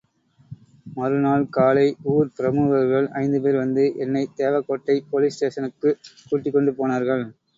மறு நாள் காலை ஊர் பிரமுகர்கள் ஐந்து பேர் வந்து என்னைத் தேவகோட்டை போலீஸ் ஸ்டேஷனுக்குக் கூட்டிக்கொண்டு போனார்கள்.